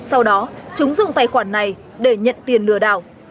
sau đó chúng dùng tài khoản này để nhận tiền lừa đảo